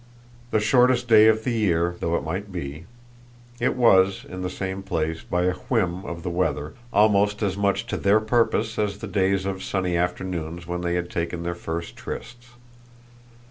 The shortest day of the year though it might be, it was, in the same place, by a whim of the weather, almost as much to their purpose as the days of sunny afternoons when they had taken their first trysts.